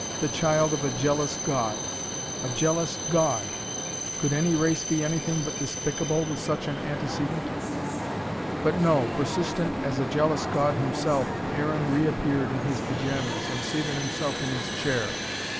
The child of a jealous God. A jealous God! Could any race be anything but despicable, with such an antecedent? But no, persistent as a jealous God himself, Aaron reappeared in his pyjamas, and seated himself in his chair.